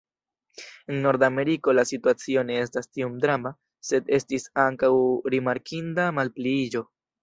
En Nordameriko la situacio ne estas tiom drama, sed estis ankaŭ rimarkinda malpliiĝo.